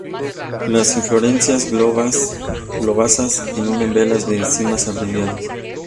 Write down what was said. Las inflorescencias globosas en umbelas de cimas abreviados.